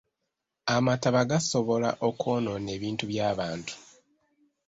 Amataba gasobola okwonoona ebintu by'abantu.